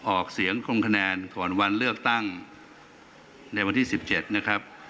ออกเสียงลงคะแนนก่อนวันเลือกตั้งในวันที่๑๗นะครับ